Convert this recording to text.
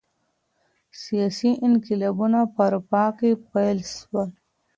سیاسي انقلابونه په اروپا کي پیل سول.